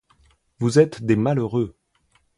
Vous êtes des malheureux.